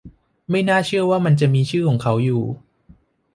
ไม่น่าเชื่อว่ามันจะมีชื่อของเขาอยู่